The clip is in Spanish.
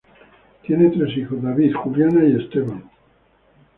Tienen tres hijos David, Juliana y Esteban.